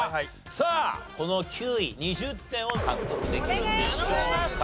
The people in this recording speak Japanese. さあこの９位２０点を獲得できるんでしょうか？